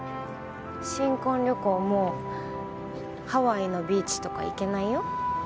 新婚旅行もハワイのビーチとか行けないよ。